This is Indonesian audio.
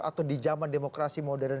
atau di zaman demokrasi modern